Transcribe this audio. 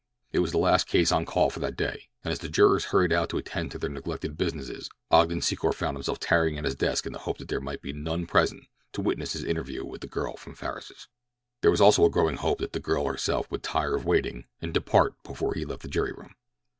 It was the last case on call for that day, and as the jurors hurried out to attend to their neglected businesses Ogden Secor found himself tarrying at his desk in the hope that there might be none present to witness his interview with the girl from Farris's. There was also a growing hope that the girl herself would tire of waiting and depart before he left the jury room.